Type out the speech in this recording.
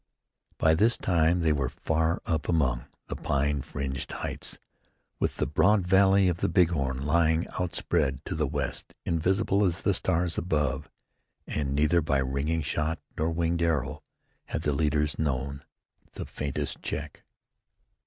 By this time they were far up among the pine fringed heights, with the broad valley of the Big Horn lying outspread to the west, invisible as the stars above, and neither by ringing shot nor winged arrow had the leaders known the faintest check.